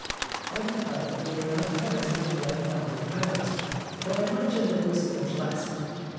I have heard that the amount promised was one thousand pounds, but I imagine that it was much less.